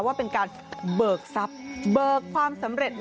ว่าเป็นการเบิกทรัพย์เบิกความสำเร็จ